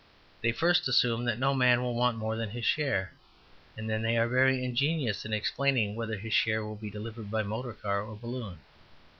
They first assume that no man will want more than his share, and then are very ingenious in explaining whether his share will be delivered by motor car or balloon.